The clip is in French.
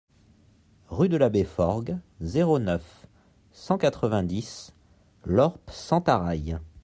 Rue de l'Abbé Forgues, zéro neuf, cent quatre-vingt-dix Lorp-Sentaraille